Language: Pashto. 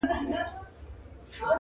د دربار له دروېشانو سره څه دي؟٫